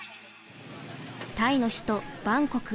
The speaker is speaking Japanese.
タイの首都バンコク。